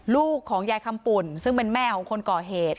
ลูกของยายคำปุ่นซึ่งเป็นแม่ของคนก่อเหตุ